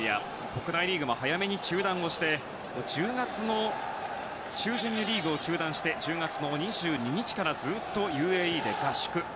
国内リーグも早めに中断をして１０月中旬にリーグを中断して１０月２２日からずっとＵＡＥで合宿。